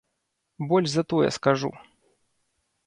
Больш за тое скажу.